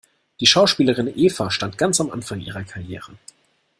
Die Schauspielerin Eva stand ganz am Anfang ihrer Karriere.